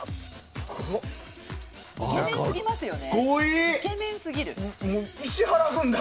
イケメンすぎますよね。